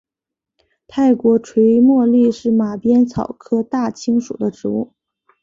泰国垂茉莉是马鞭草科大青属的植物。